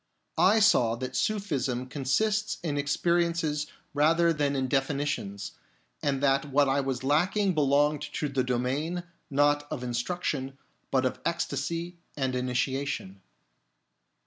1 saw that Sufism consists in experiences rather than in definitions, and that what I was lacking belonged to the domain, not of instruction, but of ecstasy and initiation.